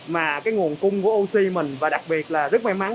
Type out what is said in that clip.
mà cái nguồn cung của oxy mình và đặc biệt là rất may mắn